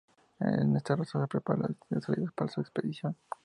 En esta zona se preparan las distintas salidas para su expedición.